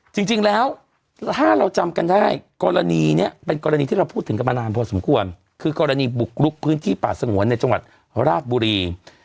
จริงแล้วถ้าเราจำกันได้กรณีนี้เป็นกรณีที่เราพูดถึงกันมานานพอสมควรคือกรณีบุกลุกพื้นที่ป่าสงวนในจังหวัดราชบุรี